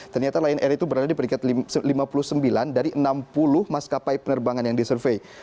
ternyata lion air itu berada di peringkat lima puluh sembilan dari enam puluh maskapai penerbangan yang disurvey